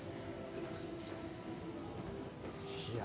いや。